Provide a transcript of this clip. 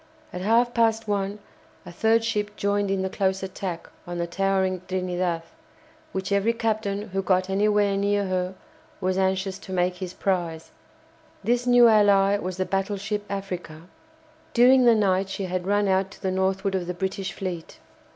At half past one a third ship joined in the close attack on the towering "Trinidad," which every captain who got anywhere near her was anxious to make his prize. This new ally was the battleship "Africa." During the night she had run out to the northward of the British fleet.